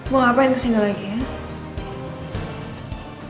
mau ngapain kesini lagi ya